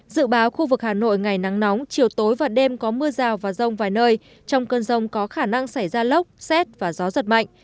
dự báo khu vực hà nội ngày nắng nóng chiều tối và đêm có mưa rào và rông vài nơi trong cơn rông có khả năng xảy ra lốc xét và gió giật mạnh